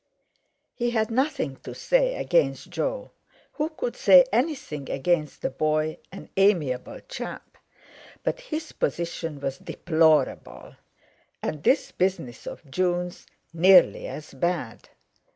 He had nothing to say against Jo—who could say anything against the boy, an amiable chap?—but his position was deplorable, and this business of Jun's nearly as bad.